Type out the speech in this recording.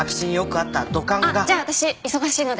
あっじゃあ私忙しいので。